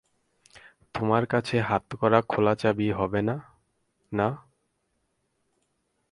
তোমার কাছে হাতকড়া খোলার চাবি হবে না, না?